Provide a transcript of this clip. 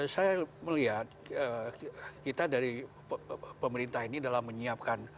saya melihat kita dari pemerintah ini dalam menyiapkan